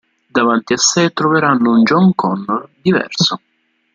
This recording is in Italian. Davanti a sè troveranno un John Connor diverso.